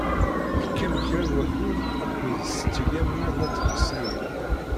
Tekkam kra n wakud akked Setti Lyamina n At Ḥsayen.